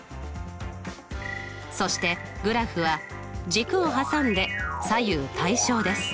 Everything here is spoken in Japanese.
そしてグラフは軸を挟んで左右対称です。